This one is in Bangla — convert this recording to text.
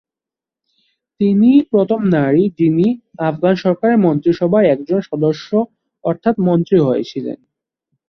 তিনিই প্রথম নারী যিনি আফগান সরকারের মন্ত্রীসভার একজন সদস্য অর্থাৎ মন্ত্রী হয়েছিলেন।